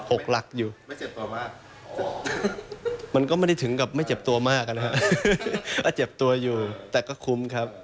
ออกหลักอยู่มันก็ไม่ได้ถึงกับไม่เจ็บตัวมากอะนะครับว่าเจ็บตัวอยู่แต่ก็คุ้มครับ